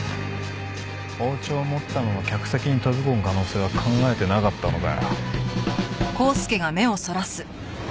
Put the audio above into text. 包丁持ったまま客席に飛び込む可能性は考えてなかったのかよ？